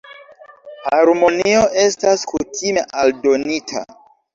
Harmonio estas kutime aldonita.